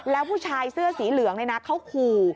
แล้วผู้ชายเสื้อสีเหลืองเนี่ยนะเขาขู่